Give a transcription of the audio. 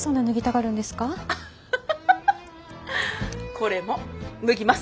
これも脱ぎます。